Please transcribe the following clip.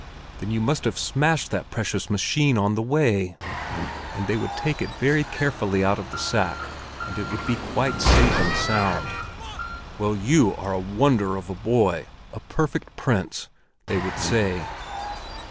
"Then you must have smashed that precious machine on the way!" And they would take it carefully out of the sack, and it would be quite safe and sound. "Well, you are a wonder of a boy! a perfect prince!" they would say.